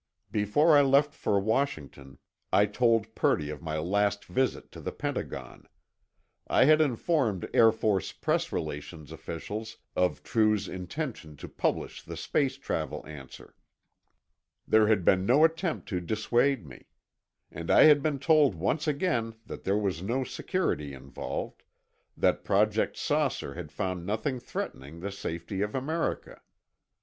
Before I left for Washington, I told Purdy of my last visit to the Pentagon. I had informed Air Force press relations officials of True's intention to publish the space travel answer. There had been no attempt to dissuade me. And I had been told once again that there was no security involved; that Project "Saucer" had found nothing threatening the safety of America.